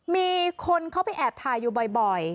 มีคนเข้าไปแอบถ่ายอยู่บ่อย